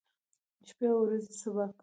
شپې او ورځې سبا کوو.